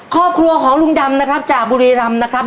ครอบครัวของลุงดำนะครับจากบุรีรำนะครับ